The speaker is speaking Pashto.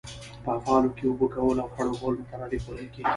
په افعالو کښي اوبه کول او خړوبول مترادف بلل کیږي.